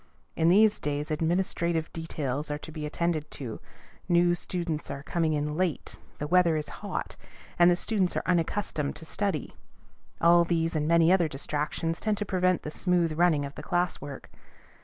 In these days administrative details are to be attended to, new students are coming in late, the weather is hot, and the students are unaccustomed to study; all these and many other distractions tend to prevent the smooth running of the class work.